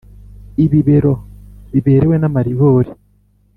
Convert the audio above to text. Ibibero biberewe namaribori